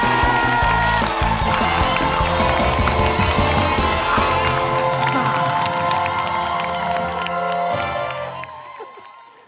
สามารถ